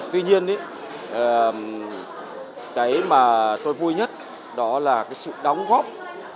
tuy nhiên cái mà tôi vui nhất đó là cái sự đóng góp